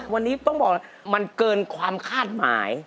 วันนี้ต้องบอกเลยมันเกินความคาดหมาย